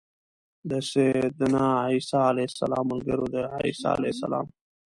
د سيّدنا عيسی عليه السلام ملګرو د عيسی علیه السلام